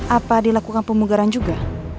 apa dilakukan pemugaran juga